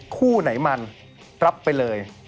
คู่ไหนมันรับไปเลย